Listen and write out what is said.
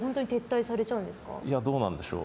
いやどうなんでしょう。